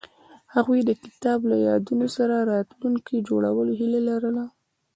هغوی د کتاب له یادونو سره راتلونکی جوړولو هیله لرله.